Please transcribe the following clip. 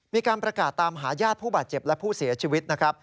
มีการประกาศตามหาญาติผู้บาดเจ็บและผู้เสียชีวิตนะครับ